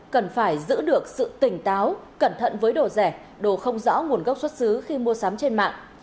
cần phải giữ được sự tỉnh táo cẩn thận với đồ rẻ đồ không rõ nguồn gốc xuất xứ khi mua sắm trên mạng